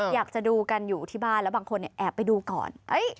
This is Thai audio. อยากจะดูกันอยู่ที่บ้านแล้วบางคนแอบไปดูก่อน